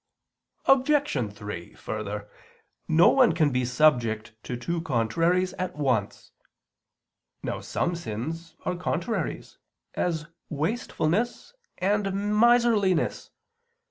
Obj. 3: Further, no one can be subject to two contraries at once. Now some sins are contraries, as wastefulness and miserliness.